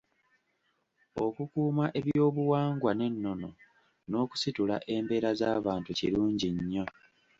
Okukuuma ebyobuwangwa n’ennono n'okusitula embeera z’abantu kirungi nnyo.